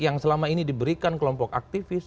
yang selama ini diberikan kelompok aktivis